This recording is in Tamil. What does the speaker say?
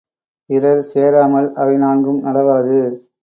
பிறர் சேராமல் அவை நான்கும் நடவாது.